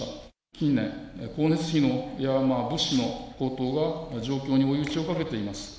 近年、光熱費や物資の高騰が状況に追い打ちをかけています。